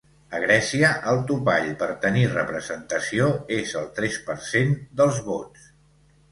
A Grècia, el topall per tenir representació és el tres per cent dels vots.